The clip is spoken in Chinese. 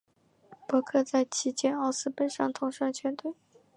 伯克在旗舰奥斯本上统帅全队。